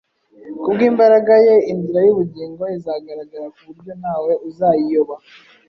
Kubw’imbaraga ye, inzira y’ubugingo izagaragara ku buryo ntawe uzayiyoba.